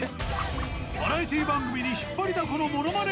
バラエティ番組に引っ張りだこのものまね